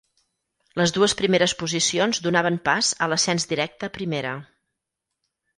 Les dues primeres posicions donaven pas a l'ascens directe a Primera.